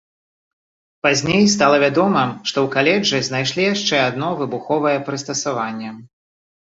Пазней стала вядома, што ў каледжы знайшлі яшчэ адно выбуховае прыстасаванне.